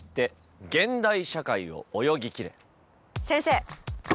先生！